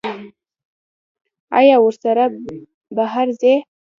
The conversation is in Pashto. ایا ورسره بهر ځئ؟